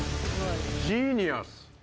ジーニアス！